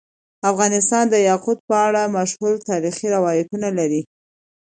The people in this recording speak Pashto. افغانستان د یاقوت په اړه مشهور تاریخی روایتونه لري.